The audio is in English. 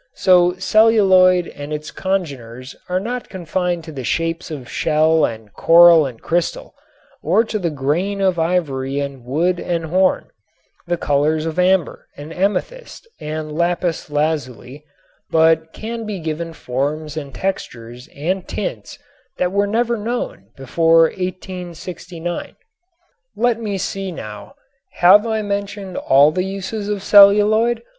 So celluloid and its congeners are not confined to the shapes of shell and coral and crystal, or to the grain of ivory and wood and horn, the colors of amber and amethyst and lapis lazuli, but can be given forms and textures and tints that were never known before 1869. Let me see now, have I mentioned all the uses of celluloid?